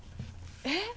えっ？